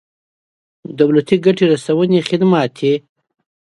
دولتي ګټې رسونې خدمات دي.